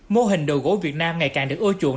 mô hình đồ gỗ việt nam ngày càng được ưa chuộng